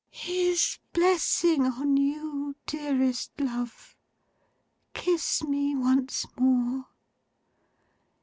'His blessing on you, dearest love. Kiss me once more!